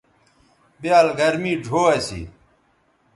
بیال گرمی ڙھو اسی